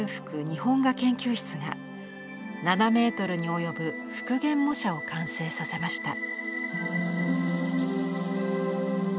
日本画研究室が７メートルに及ぶ復元模写を完成させました。